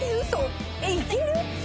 いける？